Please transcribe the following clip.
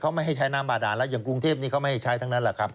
เขาไม่ให้ใช้น้ำบาดานแล้วอย่างกรุงเทพนี้เขาไม่ให้ใช้ทั้งนั้นแหละครับ